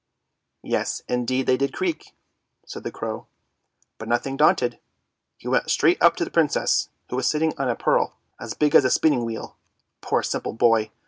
" Yes, indeed they did creak! " said the crow. " But nothing daunted, he went straight up to the Princess, who was sitting on a pearl, as big as a spinning wheel. Poor, simple boy!